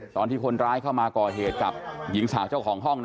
ตอนที่คนร้ายเข้ามาก่อเหตุกับหญิงสาวเจ้าของห้อง